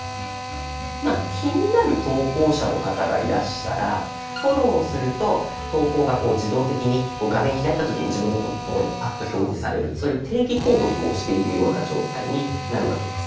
気になる投稿者の方がいらしたらフォローすると投稿が自動的に画面開いた時に自分のとこにパッと表示されるそういう定期購読をしているような状態になるわけです。